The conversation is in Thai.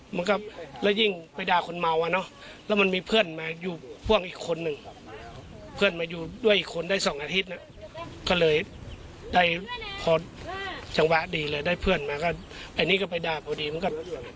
มันก็แล้วยิ่งไปด่าคนเมาอ่ะเนอะแล้วมันมีเพื่อนมาอยู่พ่วงอีกคนหนึ่งเพื่อนมาอยู่ด้วยอีกคนได้สองอาทิตย์ก็เลยได้พอจังหวะดีเลยได้เพื่อนมาก็ไอ้นี่ก็ไปด่าพอดีมันก็